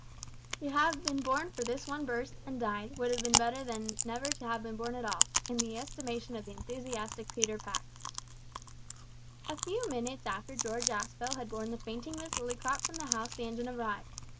To have been born for this one burst, and died, would have been better than never to have been born at all, in the estimation of the enthusiastic Peter Pax! A few minutes after George Aspel had borne the fainting Miss Lillycrop from the house the engine arrived.